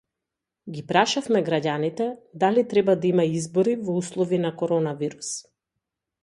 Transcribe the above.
Ги прашавме граѓаните, дали треба да има избори во услови на коронавирус